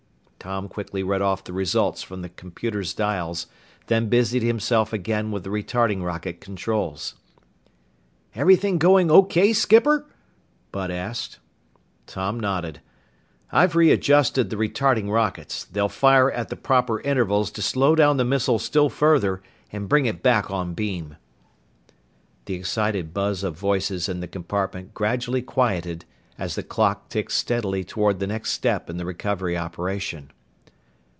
Tom quickly read off the results from the computer's dials, then busied himself again with the retarding rocket controls. "Everything going okay, skipper?" Bud asked. Tom nodded. "I've readjusted the retarding rockets. They'll fire at the proper intervals to slow down the missile still further and bring it back on beam." The excited buzz of voices in the compartment gradually quieted as the clock ticked steadily toward the next step in the recovery operation.